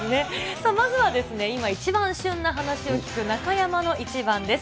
さあ、まずは今一番旬な話を聞く、中山のイチバンです。